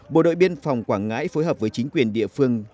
bộ đội biên phòng quảng ngãi phối hợp với chính quyền địa phương